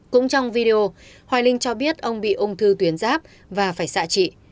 cũng trong video hoài linh cho biết ông bị ung thư tuyến giáp và phải xạ trị